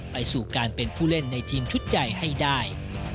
ไปสู่การเป็นผู้เล่นในทีมชุดใหญ่ให้ได้